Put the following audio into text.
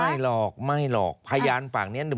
ไม่หรอกไม่หรอกพยานปากนี้